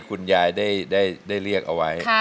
คุณยายได้เรียกเอาไว้